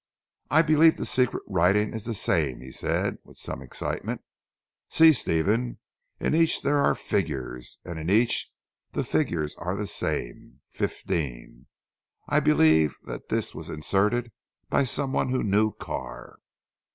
"I believe the secret writing is the same," he said with some excitement. "See Stephen, in each there are figures, and in each the figures are the same. Fifteen. I believe that this was inserted by some one who knew Carr.